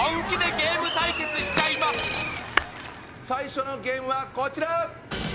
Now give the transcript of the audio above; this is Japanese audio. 最初のゲームはこちら！